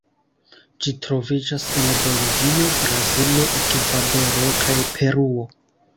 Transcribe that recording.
Ĝi troviĝas en Bolivio, Brazilo, Ekvadoro kaj Peruo.